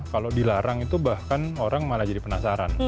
kalau dilarang itu bahkan orang malah jadi penasaran